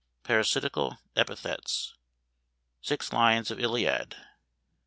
Parasitical epithets. Six lines of Iliad.